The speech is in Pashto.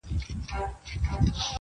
o د زړو غمونو یاري، انډيوالي د دردونو.